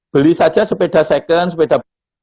beli saja sepeda second sepeda